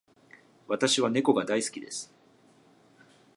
私は猫が大好きです。